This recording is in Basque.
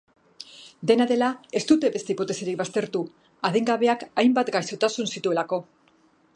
Dena dela, ez dute beste hipotesirik baztertu, adingabeak hainbat gaixotasun zituelako.